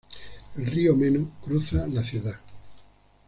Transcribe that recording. El río Meno cruza la ciudad.